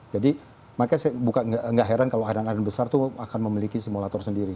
jadi makanya saya bukan enggak heran kalau adan adan besar itu akan memiliki simulator sendiri